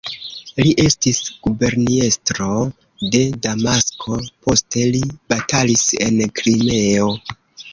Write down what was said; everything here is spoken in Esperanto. Li estis guberniestro de Damasko, poste li batalis en Krimeo.